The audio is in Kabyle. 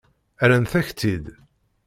Rrant-ak-t-id.